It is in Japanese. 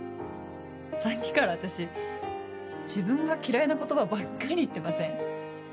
さっきから私自分が嫌いな言葉ばっかり言ってません？